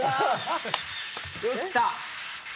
よしっきた！